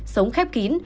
sống khép kín